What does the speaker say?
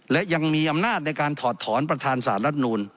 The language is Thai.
และยังมีอำนาจในการถอดถอนประธานสารรัฐนูล